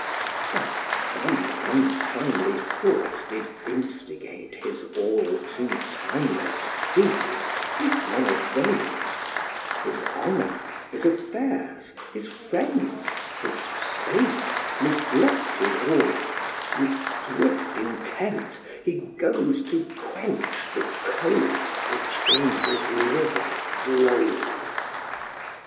But some untimely thought did instigate His all too timeless speed, if none of those; His honour, his affairs, his friends, his state, Neglected all, with swift intent he goes To quench the coal which in his liver glows.